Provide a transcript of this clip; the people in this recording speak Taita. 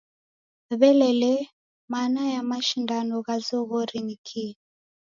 W'ele lee, mana ya mashindano gha zoghori ni kii?